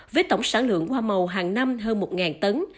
với tổng sản lượng hoa màu hàng năm hơn một tấn